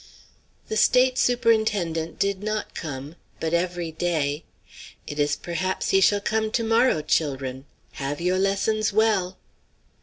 The State Superintendent did not come, but every day "It is perhaps he shall come to mo'w, chil'run; have yo' lessons well!"